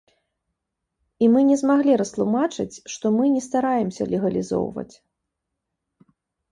І мы не змаглі растлумачыць, што мы не стараемся легалізоўваць.